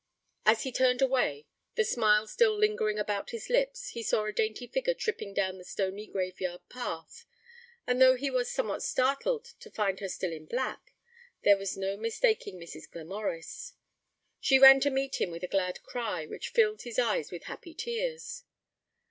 As he turned away, the smile still lingering about his lips, he saw a dainty figure tripping down the stony graveyard path, and though he was somehow startled to find her still in black, there was no mistaking Mrs. Glamorys. She ran to meet him with a glad cry, which filled his eyes with happy tears.